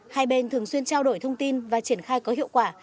hai bên thường xuyên trao đổi thông tin và triển khai có hiệu quả